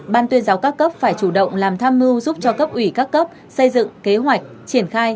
ban tuyên giáo các cấp phải chủ động làm tham mưu giúp cho cấp ủy các cấp xây dựng kế hoạch triển khai